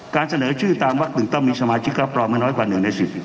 การเสนอชื่อตามวักหนึ่งต้องมีสมาชิกก็ปลอมไม่น้อยกว่าหนึ่งในสิบ